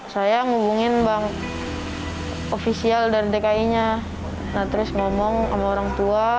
saya hubungin bank ofisial dari dki nya nah terus ngomong sama orang tua